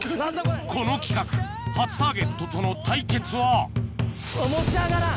この企画初ターゲットとの対決は持ち上がらん